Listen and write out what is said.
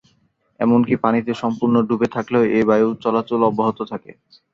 এমনকি পানিতে সম্পূর্ণ ডুবে থাকলেও এ বায়ু চলাচল অব্যাহত থাকে।